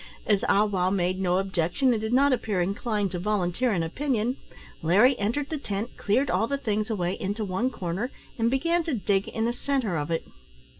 As Ah wow made no objection, and did not appear inclined to volunteer an opinion, Larry entered the tent, cleared all the things away into one corner, and began to dig in the centre of it.